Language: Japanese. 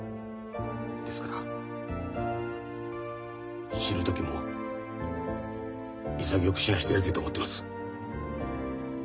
ですから死ぬ時も潔く死なしてやりてえと思ってます。